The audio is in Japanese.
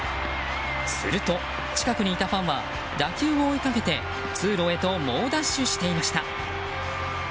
すると近くにいたファンは打球を追いかけて通路へと猛ダッシュしていました。